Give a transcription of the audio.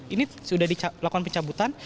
ini sudah dilakukan pencabutan